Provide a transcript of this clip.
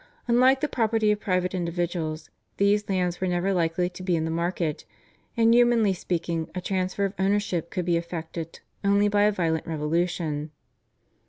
Unlike the property of private individuals these lands were never likely to be in the market, and humanly speaking a transfer of ownership could be effected only by a violent revolution.